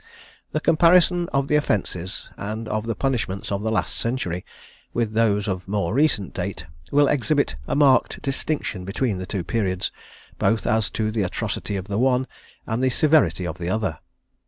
The comparison of the offences, and of the punishments of the last century, with those of more recent date, will exhibit a marked distinction between the two periods, both as to the atrocity of the one, and the severity of the other.